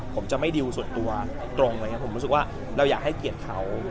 ผมจะไม่ดิวส่วนตัวตรงอะไรอย่างนี้ผมรู้สึกว่าเราอยากให้เกียรติเขา